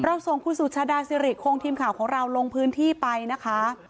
ส่งคุณสุชาดาสิริคงทีมข่าวของเราลงพื้นที่ไปนะคะ